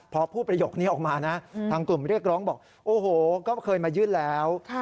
พอพูดประโยคนี้ออกมานะทางกลุ่มเรียกร้องบอกโอ้โหก็เคยมายื่นแล้ว